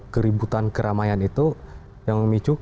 keributan keramaian itu yang memicu